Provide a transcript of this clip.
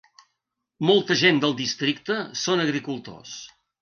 Molta gent del districte són agricultors.